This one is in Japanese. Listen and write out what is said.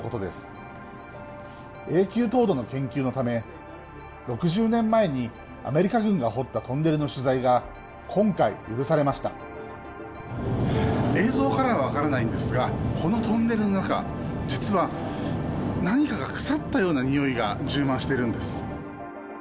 永久凍土の研究のため６０年前にアメリカ軍が掘ったトンネルの取材が今回許されました映像からは分からないんですがこのトンネルの中実は何かが腐ったようなにおいが充満しているんです。